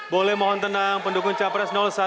boleh mohon tenang pendukung capres satu